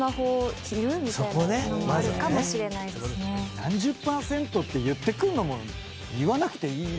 何十％って言ってくるのも言わなくていいよね。